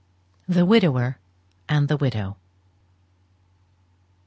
THE WIDOWER AND THE WIDOW.